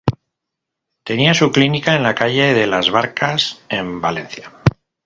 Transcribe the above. Tenía su clínica en la calle de las Barcas, en Valencia.